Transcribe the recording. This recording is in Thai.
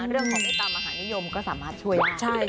เรื่องของเมตตามหานิยมก็สามารถช่วยได้